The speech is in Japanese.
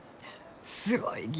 すごいき！